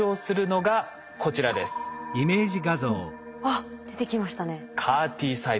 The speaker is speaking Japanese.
あっ出てきましたね。